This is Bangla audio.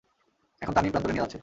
এখন তানঈম প্রান্তরে নিয়ে যাচ্ছে।